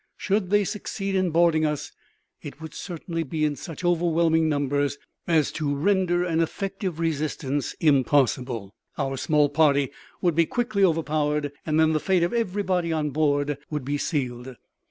Should they succeed in boarding us, it would certainly be in such overwhelming numbers as to render an effective resistance impossible; our small party would be quickly overpowered, and then the fate of everybody on board would be sealed.